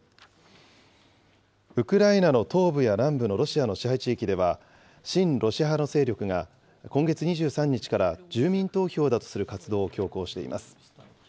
ウクライナの東部や南部のロシアの支配地域では、親ロシア派の勢力が、今月２３日から住民投票だとする活動を強行しています。